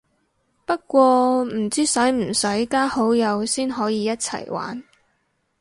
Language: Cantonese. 不過唔知使唔使加好友先可以一齊玩